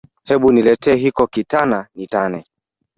Hebu nletee hicho kitana nitane